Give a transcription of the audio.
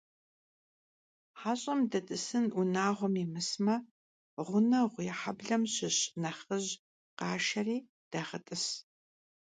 Heş'em det'ısın vunağuem yimısme, ğuneğu yê heblem şış nexhıj khaşşeri dağet'ıs.